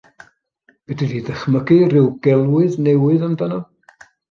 Fedri di ddychmygu rhyw gelwydd newydd amdano?